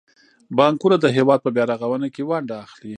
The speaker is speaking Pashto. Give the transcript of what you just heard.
بانکونه د هیواد په بیارغونه کې ونډه اخلي.